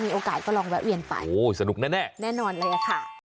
มีโอกาสก็ลองแวะเวียนไปโอ้สนุกแน่แน่นอนเลยค่ะ